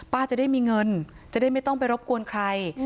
จะได้มีเงินจะได้ไม่ต้องไปรบกวนใคร